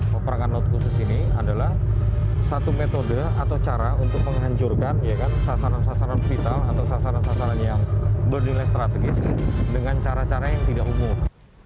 peperangan laut khusus ini adalah satu metode atau cara untuk menghancurkan sasaran sasaran vital atau sasaran sasaran yang bernilai strategis dengan cara cara yang tidak umum